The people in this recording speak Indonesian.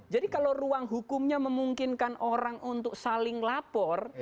jadi kalau ruang hukumnya memungkinkan orang untuk saling lapor